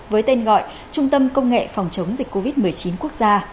với tên gọi trung tâm công nghệ phòng chống dịch covid một mươi chín quốc gia